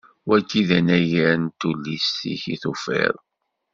Wagi anagar deg Tullist-ik i t-ufiɣ.